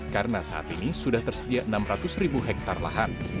karena saat ini sudah tersedia enam ratus ribu hektare lahan